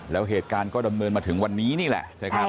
แล้วเหตุการณ์ก็ดำเนินมาถึงวันนี้นี่แหละนะครับ